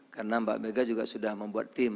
karena mbak mega juga sudah membuat tim